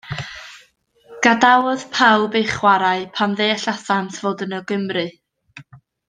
Gadawodd pawb eu chwarae pan ddeallasant fod yno Gymry.